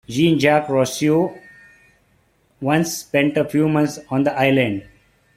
Jean-Jacques Rousseau once spent a few months on the island.